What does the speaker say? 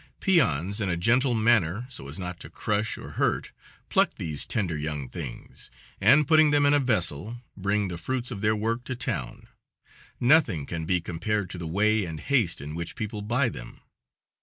Peons in a gentle manner, so as not to crush or hurt, pluck these tender young things, and, putting them in a vessel, bring the fruits of their work to town. Nothing can be compared to the way and haste in which people buy them.